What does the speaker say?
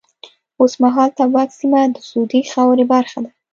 اوس مهال تبوک سیمه د سعودي خاورې برخه ده.